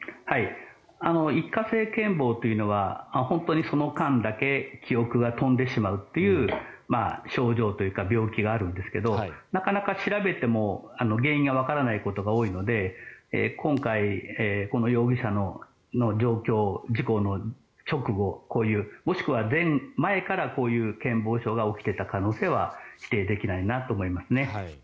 一過性健忘というのは本当にその間だけ記憶が飛んでしまうという症状というか病気があるんですがなかなか調べても原因はわからないことが多いので今回、この容疑者の状況事故の直後、こういうもしくは前からこういう健忘症が起きていた可能性は否定できないなと思いますね。